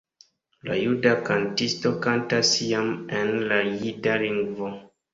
La juda kantisto kantas iam en la jida lingvo.